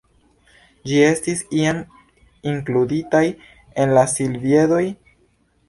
Ĝi estis iam inkluditaj en la Silviedoj.